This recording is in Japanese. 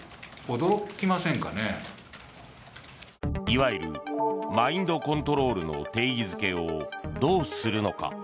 いわゆるマインドコントロールの定義づけを、どうするのか。